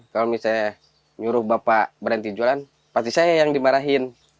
kalau misalnya nyuruh bapak berhenti jualan pasti saya yang dimarahin